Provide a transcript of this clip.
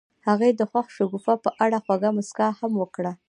هغې د خوښ شګوفه په اړه خوږه موسکا هم وکړه.